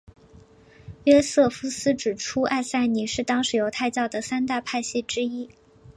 约瑟夫斯指出艾赛尼是当时犹太教的三大派系之一。